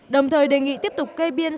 đồng thời đề nghị tiếp tục cây biên